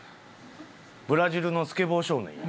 ブラジルのスケボー少年や。